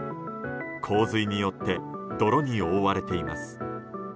洪水によって泥に覆われています。